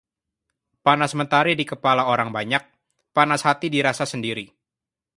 Panas mentari di kepala orang banyak, panas hati dirasa sendiri